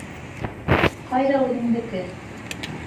Ҡайҙа үҙеңдеке?